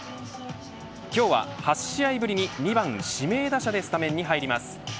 今日は８試合ぶりに２番指名打者でスタメンに入ります。